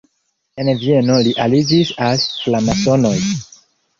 En Vieno li aliĝis al framasonoj.